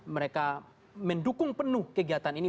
mereka mendukung penuh kegiatan ini